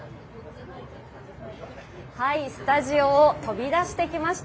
スタジオを飛び出してきました。